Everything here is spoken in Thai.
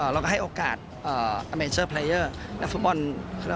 เราก็ให้โอกาสเพียรกษ์